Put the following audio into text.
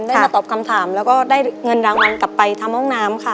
ได้มาตอบคำถามแล้วก็ได้เงินรางวัลกลับไปทำห้องน้ำค่ะ